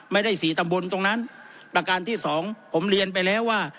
ไม่ได้สี่ตำบลตรงนั้นประการที่สองผมเรียนไปแล้วว่า